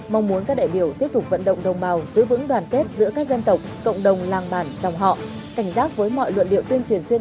mong muốn các đại biểu tiếp tục vận động đồng bào giữ vững đoàn kết giữa các dân tộc cộng đồng làng bản dòng họ cảnh giác với mọi luận điệu tuyên truyền